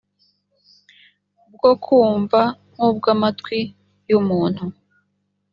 bwo kumva nk ubw amatwi y umuntu